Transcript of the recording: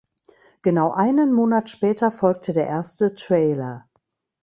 Genau einen Monat später folgte der erste Trailer.